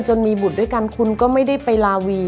จนมีบุตรด้วยกันคุณก็ไม่ได้ไปลาวี